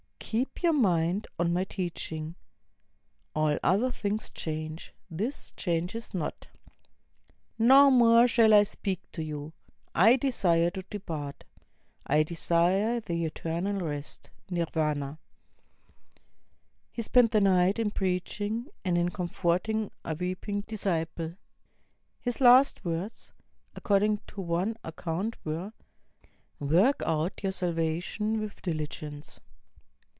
Keep your mind on my 29 IXDL\ teaching: all other things change, this changes not. No more shall I speak to you. I desire to depart. I desire the eternal rest (nirvana)." He spent the night in preaching, and in comforting a weeping disciple. His last words, according to one account, were, ''Work out your salvation with diligence."